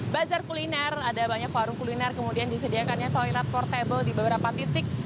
bazar kuliner ada banyak warung kuliner kemudian disediakannya toilet portable di beberapa titik